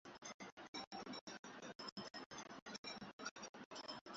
Ya mbaqanga zingeuzwa na Serikali iliyoeneza ubaguzi wa rangi